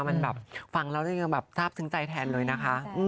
มันแบบฟังแล้วยังแบบทราบซึ้งใจแทนเลยนะคะ